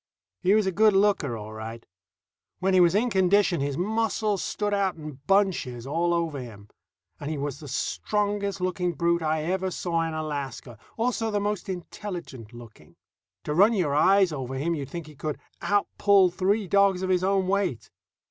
He was a good looker all right. When he was in condition his muscles stood out in bunches all over him. And he was the strongest looking brute I ever saw in Alaska, also the most intelligent looking. To run your eyes over him, you'd think he could outpull three dogs of his own weight.